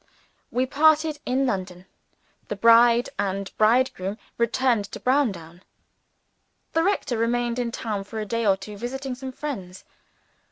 We parted in London. The bride and bridegroom returned to Browndown. The rector remained in town for a day or two visiting some friends.